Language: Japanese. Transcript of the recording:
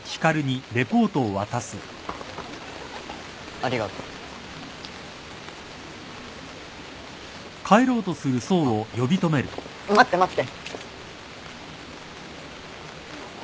ありがとう。あっ待って待って。